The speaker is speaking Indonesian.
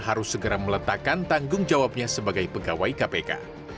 harus segera meletakkan tanggung jawabnya sebagai pegawai kpk